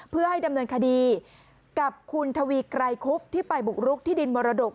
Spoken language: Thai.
เพื่อให้ดำเนินคดีกับคุณทวีไกรคุบที่ไปบุกรุกที่ดินมรดก